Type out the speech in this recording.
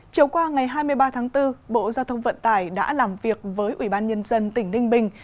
chiều qua ngày hai mươi ba tháng bốn bộ giao thông vận tải đã làm việc với ủy ban nhân dân tỉnh ninh bình